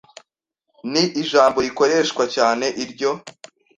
Ni ijambo rikoreshwa cyane iryo